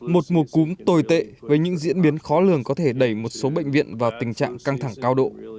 một mùa cúm tồi tệ với những diễn biến khó lường có thể đẩy một số bệnh viện vào tình trạng căng thẳng cao độ